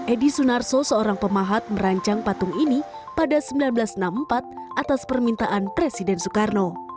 edi sunarso seorang pemahat merancang patung ini pada seribu sembilan ratus enam puluh empat atas permintaan presiden soekarno